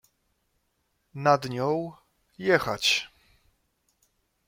Nad nią — „jechać”.